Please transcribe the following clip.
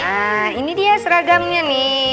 nah ini dia seragamnya nih